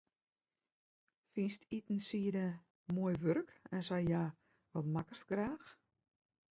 Fynst itensieden moai wurk, en sa ja, wat makkest graach?